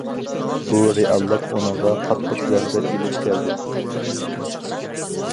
بۇ رېئاللىق ئۇنىڭغا قاتتىق زەربە ئېلىپ كەلدى.